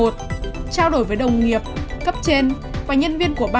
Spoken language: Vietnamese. một trao đổi với đồng nghiệp cấp trên và nhân viên của bạn